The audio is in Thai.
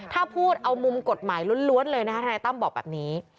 ถ้าพูดเอามุมกฎหมายล้วนเลยนะคะทนายตั้มบอกแบบนี้